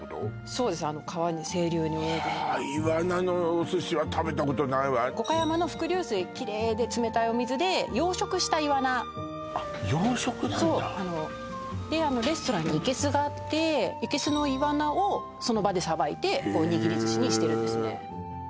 そうですあの川にはあイワナのお寿司は食べたことないわ五箇山の伏流水キレイで冷たいお水で養殖したイワナあっ養殖なんだでレストランに生けすがあって生けすのイワナをその場でさばいてこう握り寿司にしてるんですね